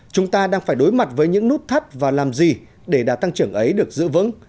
chúng ta đang phải đối mặt với những nút thắt và làm gì để đạt tăng trưởng ấy được giữ vững